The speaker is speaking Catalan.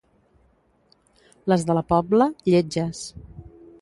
Les de la Pobla, lletges.